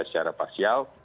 bisa secara pasial